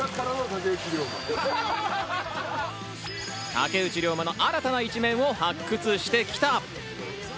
竹内涼真の新たな一面を発掘してきた。